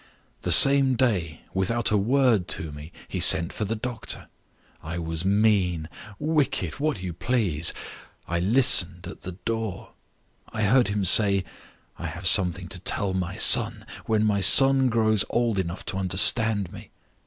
The same day (without a word to me) he sent for the doctor. I was mean, wicked, what you please I listened at the door. I heard him say: _I have something to tell my son, when my son grows old enough to understand me.